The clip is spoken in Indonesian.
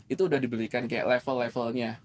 itu udah diberikan kayak level levelnya